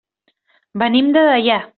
Venim de Deià.